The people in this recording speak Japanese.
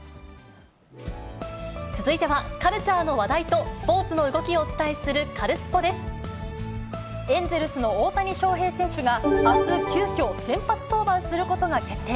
続いてはカルチャーの話題とスポーツの動きをお伝えするカルエンゼルスの大谷翔平選手が、あす、急きょ先発登板することが決定。